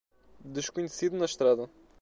Desconhecido na estrada